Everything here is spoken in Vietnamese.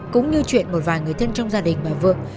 cũng như chuyện một vài người thân trong gia đình bà vượng